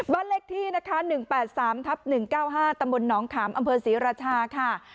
บ้านเลขที่นะคะ๑๘๓ทับ๑๙๕ตำบลหนองขามอำเภอศรีราชาค่ะ